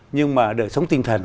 nhưng mà đời sống tinh thần